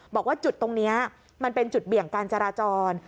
บอกว่าจุดตรงนี้มันเป็นจุดเบี่ยงการจราจร